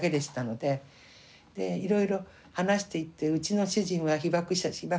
でいろいろ話していってうちの主人は被爆したけどって。